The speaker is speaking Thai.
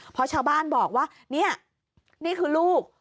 เพราะชาวบ้านบอกว่านี่นี่คือลูก